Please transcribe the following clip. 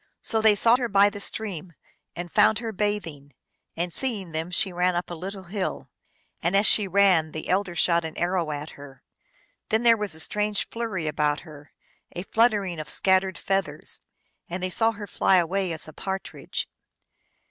So they sought her by the stream, and found her bathing, and, seeing them, she ran up a lit tle hill. And, as she ran, the elder shot an arrow at her. Then there was a strange flurry about her, a fluttering of scattered feathers, and they saw her fly away as a partridge.